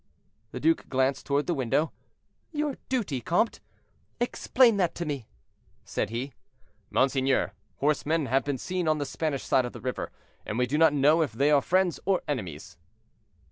The duke glanced toward the window. "Your duty, comte? Explain that to me," said he. "Monseigneur, horsemen have been seen on the Spanish side of the river, and we do not know if they are friends or enemies."